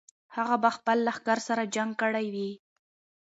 هغه به خپل لښکر سره جنګ کړی وي.